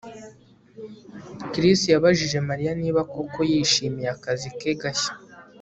Chris yabajije Mariya niba koko yishimiye akazi ke gashya